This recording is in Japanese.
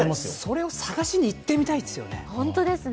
それを探しに行ってみたいですよね。